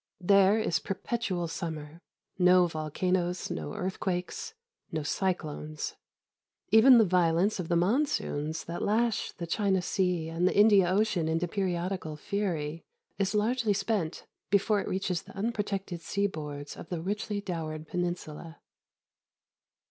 There, is perpetual summer; no volcanoes, no earthquakes, no cyclones. Even the violence of the monsoons, that lash the China Sea and the Indian Ocean into periodical fury, is largely spent before it reaches the unprotected seaboards of the richly dowered peninsula.